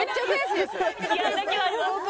気合だけはあります。